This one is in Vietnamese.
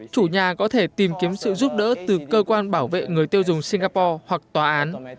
chủ nhà có thể tìm kiếm sự giúp đỡ từ cơ quan bảo vệ người tiêu dùng singapore hoặc tòa án